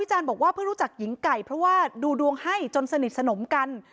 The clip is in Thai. จะซื้อรถใหม่ปรากฏว่าอีก๔เดือนซื้อบ้าน